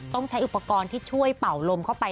ต้องใช้อุปกรณ์ที่ช่วยเป่าลมเข้าไป